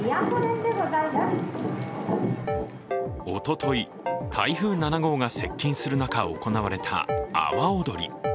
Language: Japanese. おととい、台風７号が接近する中、行われた阿波おどり。